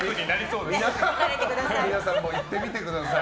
皆さんも行ってみてください。